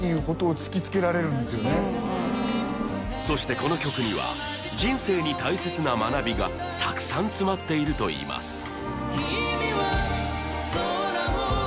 そしてこの曲には人生に大切な学びがたくさん詰まっているといいます